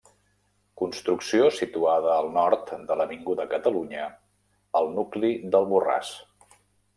Construcció situada al nord de l'Avinguda Catalunya al nucli del Borràs.